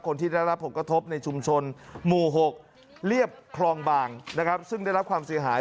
คนที่ได้รับผลกระทบในชุมชนหมู่๖เรียบคลองบางนะครับซึ่งได้รับความเสียหาย